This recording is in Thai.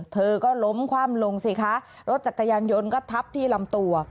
เธอก็ล้มคว่ำลงสิคะรถจักรยานยนต์ก็ทับที่ลำตัว